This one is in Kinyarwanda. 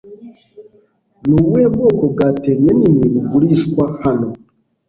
Nubuhe bwoko bwa Terrier Ninini bugurishwa hano